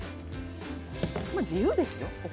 自由ですよ。